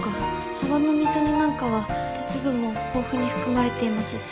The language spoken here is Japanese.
サバの味噌煮なんかは鉄分も豊富に含まれていますし。